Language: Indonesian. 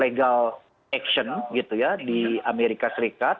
legal action gitu ya di amerika serikat